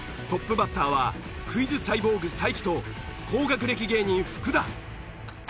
トップバッターはクイズサイボーグ才木と高学歴芸人福田。